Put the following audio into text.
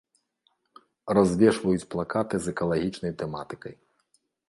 Развешваюць плакаты з экалагічнай тэматыкай.